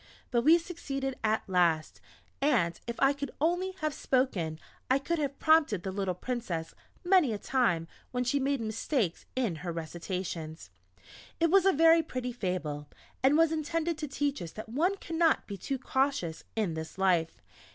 But we succeeded at last, and if I could only have spoken I could have prompted the little Princess many a time when she made mistakes in her recitations. It was a very pretty Fable and was intended to teach us that one cannot be too cautious in this life.